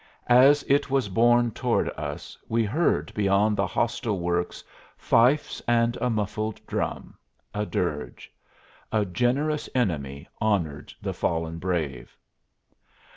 As it was borne toward us we heard beyond the hostile works fifes and a muffled drum a dirge. A generous enemy honored the fallen brave.